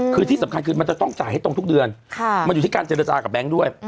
คือที่สำคัญคือมันจะต้องจ่ายให้ตรงทุกเดือนมันอยู่ที่การเจรจากับแก๊งด้วย